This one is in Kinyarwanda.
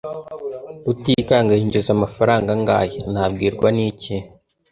"Rutikanga yinjiza amafaranga angahe?" "Nabwirwa n'iki?"